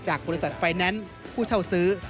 บริษัทไฟแนนซ์ผู้เช่าซื้อ